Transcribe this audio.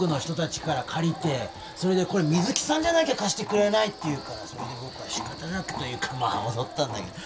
それでこれ「水木さんじゃなきゃ貸してくれない」って言うからそれで僕はしかたなくというかまあ踊ったんだけど。